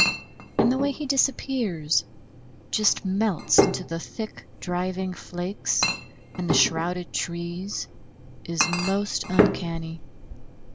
And the way he disappears just melts into the thick driving flakes and the shrouded trees is most uncanny.